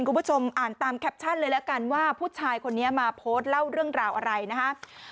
คุณผู้ชมอ่านตามแคปชั่นเลยแล้วกันว่าผู้ชายคนนี้มาโพสต์เล่าเรื่องราวอะไรนะฮะ